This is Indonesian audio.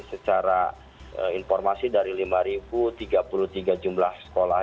secara informasi dari lima tiga puluh tiga jumlah sekolah